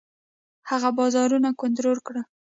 هغه بازارونه کنټرول کړل.